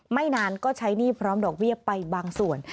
ไม่นานก็ใช้หนี้พร้อมดอกเบี้ยไปบางส่วน